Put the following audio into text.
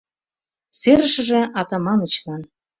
Серышыже — Атаманычлан.